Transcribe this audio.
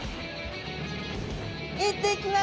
行ってきます！